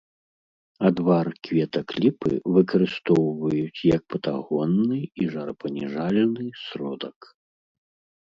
Адвар кветак ліпы выкарыстоўваюць як патагонны і жарапаніжальны сродак.